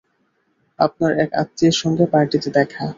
আপনার এক আত্মীয়ের সঙ্গে পার্টিতে দেখা।